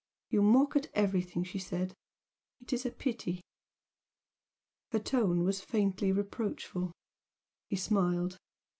"You mock at everything," she said "It is a pity!" Her tone was faintly reproachful. He smiled.